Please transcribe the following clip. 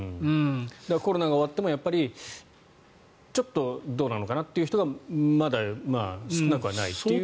コロナが終わってもどうなのかなっていう人がまだ、少なくはないという。